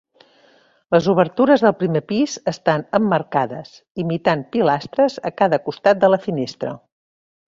Les obertures del primer pis estan emmarcades, imitant pilastres a cada costat de la finestra.